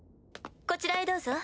こちらへどうぞ。